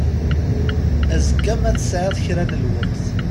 Azekka ma tesɛiḍ kra n lweqt.